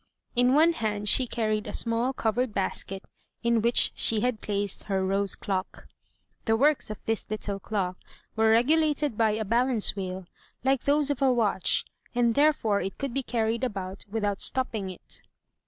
In one hand she carried a small covered basket in which she had placed her rose clock. 256 THE TREASURE CHEST The works of this little clock were regulated by a balance wheel, like those of a watch, and therefore it could be carried about without stopping it.